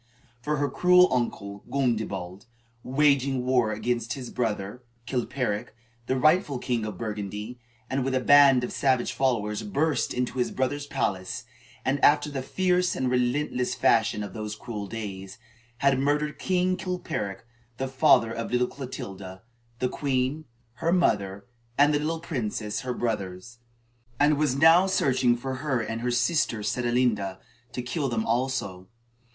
For her cruel uncle, Gundebald, waging war against his brother Chilperic, the rightful king of Burgundy, had with a band of savage followers burst into his brother's palace and, after the fierce and relentless fashion of those cruel days, had murdered King Chilperic, the father of little Clotilda, the queen, her mother, and the young princes, her brothers; and was now searching for her and her sister Sedelenda, to kill them also.